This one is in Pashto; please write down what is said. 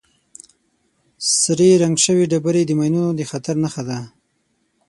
سرې رنګ شوې ډبرې د ماینونو د خطر نښه ده.